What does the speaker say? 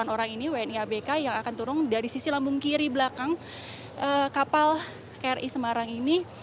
delapan orang ini wni abk yang akan turun dari sisi lambung kiri belakang kapal kri semarang ini